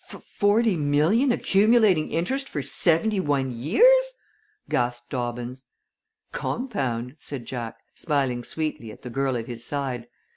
"Fuf forty million accumulating interest for seventy one years!" gasped Dobbins. "Compound," said Jack, smiling sweetly at the girl at his side.